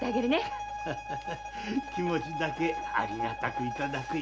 ハハ気持ちだけありがたくいただくよ。